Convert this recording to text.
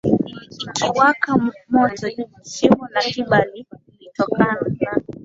likiwaka moto Shimo la Kimberley lililotokana na